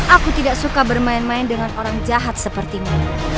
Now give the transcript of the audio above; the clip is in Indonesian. aku tidak suka bermain main dengan orang jahat sepertimu